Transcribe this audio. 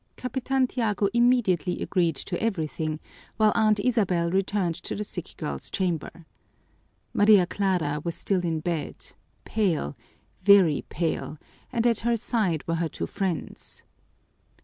Capitan Tiago immediately agreed to everything, while Aunt Isabel returned to the sick girl's chamber. Maria Clara was still in bed, pale, very pale, and at her side were her two friends.